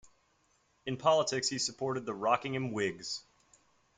In politics he supported the Rockingham Whigs.